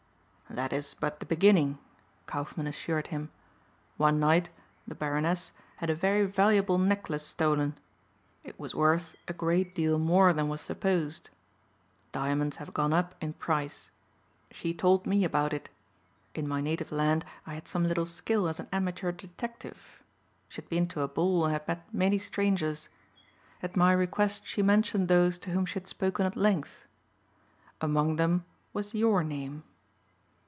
"That is but the beginning," Kaufmann assured him. "One night the Baroness had a very valuable necklace stolen. It was worth a great deal more than was supposed. Diamonds have gone up in price. She told me about it. In my native land I had some little skill as an amateur detective. She had been to a ball and had met many strangers. At my request she mentioned those to whom she had spoken at length. Among them was your name.